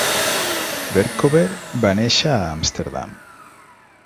Berkouwer va néixer a Amsterdam.